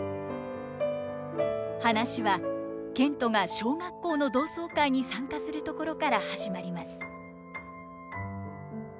話は憲人が小学校の同窓会に参加するところから始まります。